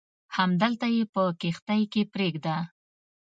همدلته یې په کښتۍ کې پرېږده.